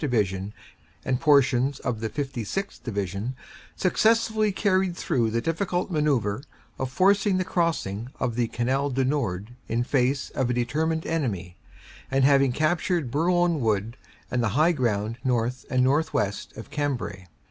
Division and portions of the 56th. Division, successfully carried through the difficult manoeuvre of forcing the crossing of the Canal du Nord in face of a determined enemy, and have captured Bourlon Wood and the high ground north and northwest of Cambrai.